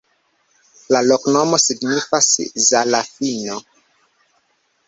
La loknomo signifas: Zala-fino.